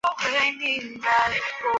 不得再设置障碍